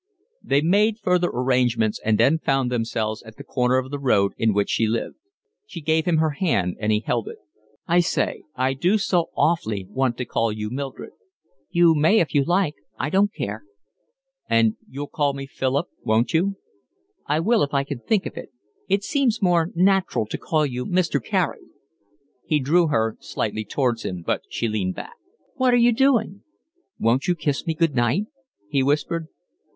They made further arrangements, and then found themselves at the corner of the road in which she lived. She gave him her hand, and he held it. "I say, I do so awfully want to call you Mildred." "You may if you like, I don't care." "And you'll call me Philip, won't you?" "I will if I can think of it. It seems more natural to call you Mr. Carey." He drew her slightly towards him, but she leaned back. "What are you doing?" "Won't you kiss me good night?" he whispered.